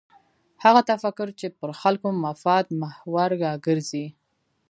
هغه تفکر چې پر خلکو مفاد محور راګرځي.